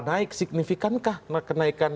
naik signifikankah kenaikan